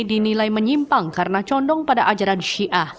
dinilai menyimpang karena condong pada ajaran syiah